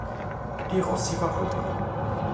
De Rossi war Römerin.